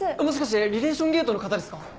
もしかしてリレーション・ゲートの方ですか？